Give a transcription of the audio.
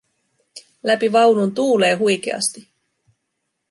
Läpi vaunun tuulee huikeasti.